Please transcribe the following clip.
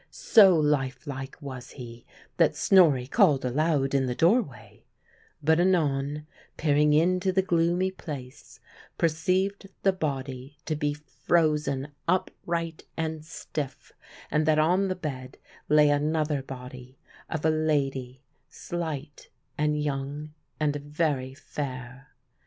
So life like was he that Snorri called aloud in the doorway, but anon, peering into the gloomy place, perceived the body to be frozen upright and stiff, and that on the bed lay another body, of a lady slight and young, and very fair.